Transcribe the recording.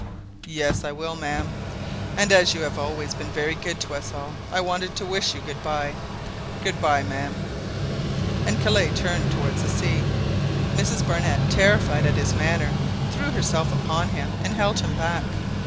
"Yes, I will, ma'am; and as you have always been very good to us all, I wanted to wish you good bye. Good bye, ma'am!" And Kellet turned towards the sea. Mrs Barnett, terrified at his manner, threw herself upon him and held him back.